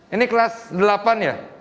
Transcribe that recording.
ini kelas delapan ya